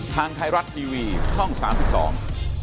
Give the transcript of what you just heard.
ทางไทยรัตน์ทีวีช่อง๓๒